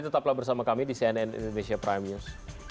tetaplah bersama kami di cnn indonesia prime news